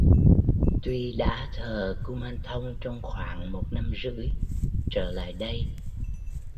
Tuy đã thờ kumanthong trong khoảng một năm rưỡi trở lại đây